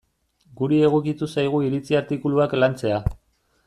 Guri egokitu zaigu iritzi artikuluak lantzea.